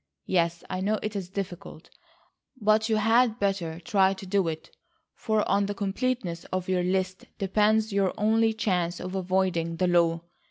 Yes, I know it is difficult, but you had better try to do it for on the completeness of your list depends your only chance of avoiding the law.